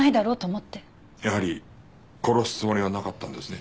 やはり殺すつもりはなかったんですね。